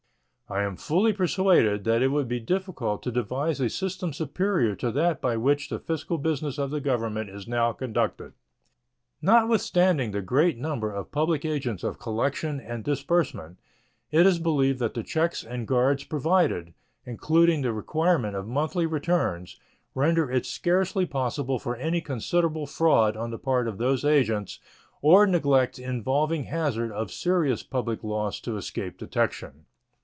I am fully persuaded that it would be difficult to devise a system superior to that by which the fiscal business of the Government is now conducted. Notwithstanding the great number of public agents of collection and disbursement, it is believed that the checks and guards provided, including the requirement of monthly returns, render it scarcely possible for any considerable fraud on the part of those agents or neglect involving hazard of serious public loss to escape detection.